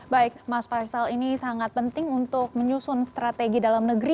baik mas faisal ini sangat penting untuk menyusun strategi dalam negeri